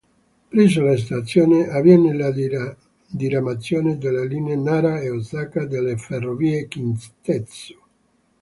Presso la stazione avviene la diramazione delle linee Nara e Osaka delle Ferrovie Kintetsu.